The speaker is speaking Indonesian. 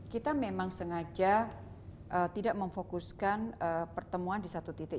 kita memang sengaja tidak memfokuskan pertemuan di satu titik